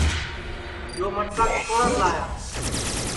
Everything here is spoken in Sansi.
یو مٹکا کِتوڑاس لایا